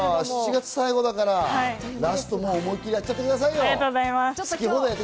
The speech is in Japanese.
７月最後だから思い切りやっちゃってくださいよ、好き放題。